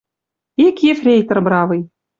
Ик ефрейтор бравый